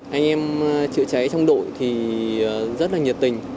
anh em chữa cháy trong đội thì rất là nhiệt tình